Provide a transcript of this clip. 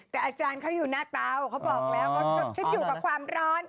แต่อาจารย์เขาอยู่หน้าเตาเขาบอกแล้วว่าฉันอยู่กับความร้อน